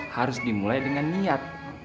harus dimulai dengan niat